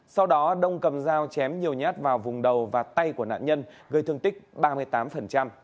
sau đó đông cầm dao chém nhiều nhát vào vùng đầu và tay của nạn nhân gây thương tích ba mươi tám